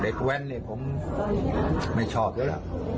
เด็กแว่นเนี่ยผมไม่ชอบด้วยล่ะ